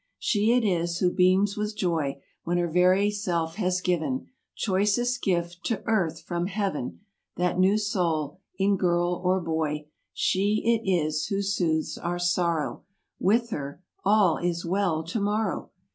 She it is, who beams wdth joy When her very self has given Choicest gift, to earth, from heaven— That new soul—^in girl or boy. She it is, who soothes our sorrow With her—"All is well tomorrow!"